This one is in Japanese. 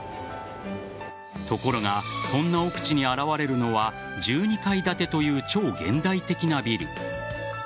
ところがそんな奥地に現れるのは１２階建てという超現代的なビル。